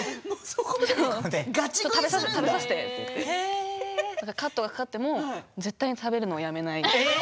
ちょっと食べさせてってカットがかかっても絶対に食べるのやめない。